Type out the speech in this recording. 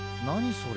それ。